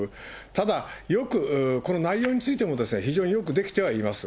ただ、よくこの内容についても非常によく出来てはいます。